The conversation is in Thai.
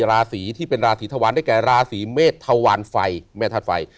ราศีที่เป็นราศีธวารได้แก่ราศีเมษทวารไฟแม่ธาตุไฟ